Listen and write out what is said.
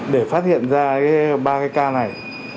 để phát hiện ra ba ca này